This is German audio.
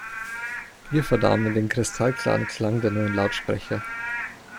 Wir vernahmen den kristallklaren Klang der neuen Lautsprecher.